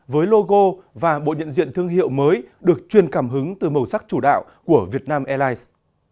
với logo và bộ nhận diện thương hiệu mới được truyền cảm hứng từ màu sắc chủ đạo của vietnam airlines